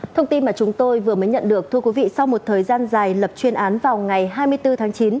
thông tin mà chúng tôi vừa mới nhận được thưa quý vị sau một thời gian dài lập chuyên án vào ngày hai mươi bốn tháng chín